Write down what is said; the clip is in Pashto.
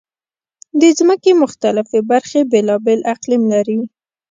د ځمکې مختلفې برخې بېلابېل اقلیم لري.